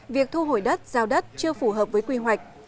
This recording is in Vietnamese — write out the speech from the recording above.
việc thu hồi đất giao đất chưa phù hợp với quy hoạch